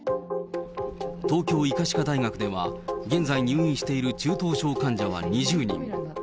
東京医科歯科大学では、現在入院している中等症患者は２０人。